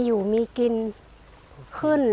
อยู่มีกินขึ้น